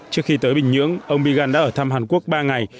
trước khi tới bình nhưỡng ông biegun đã ở thăm hàn quốc ba ngày